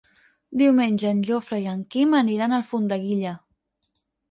Diumenge en Jofre i en Quim aniran a Alfondeguilla.